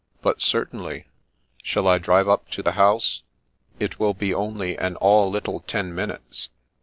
But certainly. Shall I drive up to the house? It will be only an all little ten minutes."